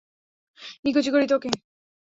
নিকুচি করি তোকে!